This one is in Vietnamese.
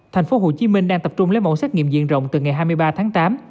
thành phố hồ chí minh đang tập trung lấy mẫu xét nghiệm diện rộng từ ngày hai mươi ba tháng tám